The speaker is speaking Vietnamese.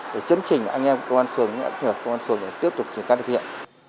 để chấn trình anh em công an phường anh em cửa công an phường để tiếp tục thực hiện